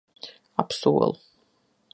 Apsolu.